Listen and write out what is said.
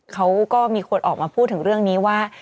เขาก็มีคนออกมาพูดถึงเรื่องนี้ว่า